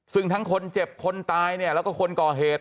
ซึ่งทั้งคนเจ็บคนตายเนี่ยแล้วก็คนก่อเหตุ